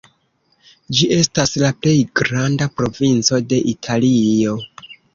Ĝi estas la plej malgranda provinco de Italio.